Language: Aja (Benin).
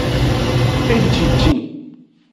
Ejijin.